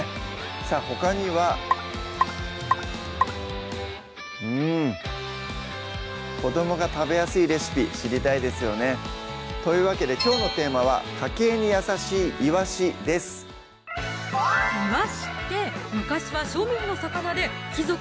さぁほかにはうん子どもが食べやすいレシピ知りたいですよねというわけできょうのテーマは「家計に優しい！いわし」ですあら！